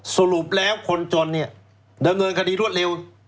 สรุปแล้วคนจนเนี่ยดำเนินคดีรวดเร็ว